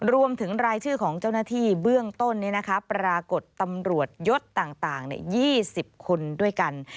รวมถึงรายชื่อของเจ้าหน้าที่เบื้องต้นปรากฏตำรวจยศต่าง๒๐คนด้วยกัน